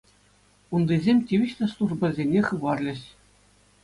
Унтисем тивӗҫлӗ службӑсене хыпарлӗҫ.